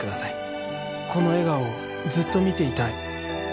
この笑顔をずっと見ていたい。